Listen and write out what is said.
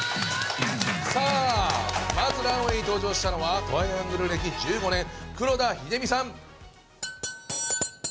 さあまずランウェーに登場したのはトライアングル歴１５年黒田英実さん。